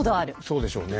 そうでしょうね。